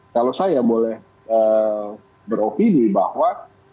kalau saya boleh beropini bahwa